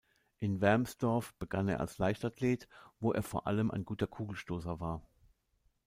In Wermsdorf begann er als Leichtathlet, wo er vor allem ein guter Kugelstoßer war.